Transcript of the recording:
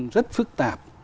rất phức tạp